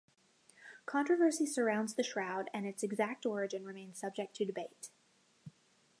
Controversy surrounds the shroud and its exact origin remains subject to debate.